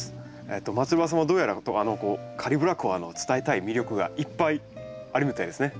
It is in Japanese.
松原さんはどうやらカリブラコアの伝えたい魅力がいっぱいあるみたいですね。